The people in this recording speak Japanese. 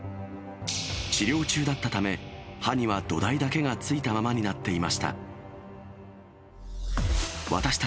治療中だったため、歯には土台だけがついたままになっていました。